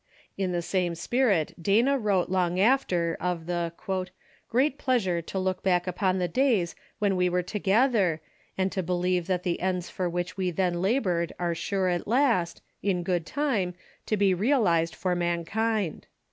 In the same spirit Dana wrote long after of the " great pleasure to look back upon the days when we were together, and to be lieve that the ends for which we then labored are sure at last, in good time, to be realized for mankind."